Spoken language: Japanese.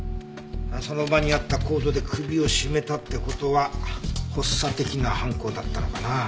その場にあったコードで首を絞めたって事は発作的な犯行だったのかな？